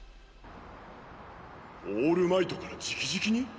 オールマイトから直々に？